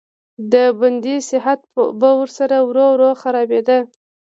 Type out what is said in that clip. د بندي صحت به ورسره ورو ورو خرابېده.